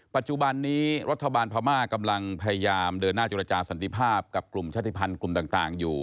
ปัจจุบันนี้รัฐบาลพม่ากำลังพยายามเดินหน้าจุรจาสันติภาพกับกลุ่มชาติภัณฑ์กลุ่มต่างอยู่